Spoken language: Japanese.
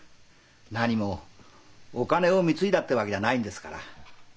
なにもお金を貢いだってわけじゃないんですから。